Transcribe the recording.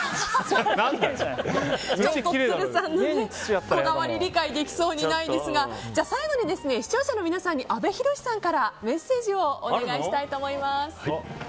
都留さんのこだわり理解できそうにないですが最後に視聴者の皆さんに阿部寛さんからメッセージをお願いしたいと思います。